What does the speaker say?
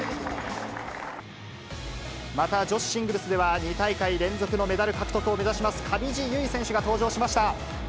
また女子シングルスでは、２大会連続のメダル獲得を目指します上地結衣選手が登場しました。